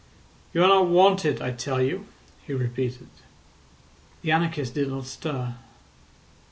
"You are not wanted, I tell you," he repeated. The anarchist did not stir.